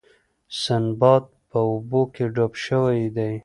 سنباد په اوبو کې ډوب شوی دی.